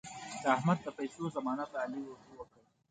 د احمد د پیسو ضمانت علي وکړ.